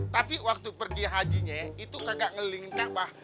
tapi waktu pergi hajinya itu kagak ngelilingin kak mbah